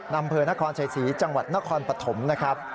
อำเภอนครชัยศรีจังหวัดนครปฐมนะครับ